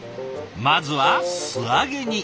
まずは素揚げに。